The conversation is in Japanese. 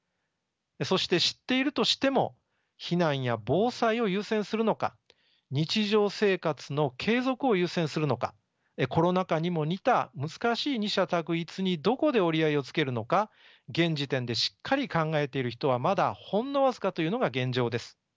そして知っているとしても避難や防災を優先するのか日常生活の継続を優先するのかコロナ禍にも似た難しい二者択一にどこで折り合いをつけるのか現時点でしっかり考えている人はまだほんの僅かというのが現状です。